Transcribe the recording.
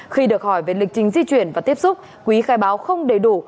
khi được hỏi về lịch trình di chuyển và tiếp xúc quý khai báo không đầy đủ